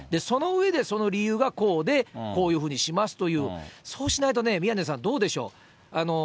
その上で、その理由がこうで、こういうふうにしますという、そうしないとね、宮根さん、どうでしょう？